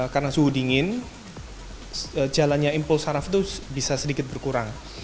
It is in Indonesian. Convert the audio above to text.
karena suhu dingin jalannya impuls syaraf itu bisa sedikit berkurang